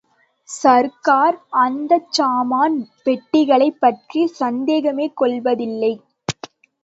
சர்க்கார் அந்தச்சாமான் பெட்டிகளைப் பற்றிச் சந்தேகமே கொள்வதில்லை.